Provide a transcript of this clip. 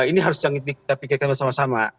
ini harus kita pikirkan bersama sama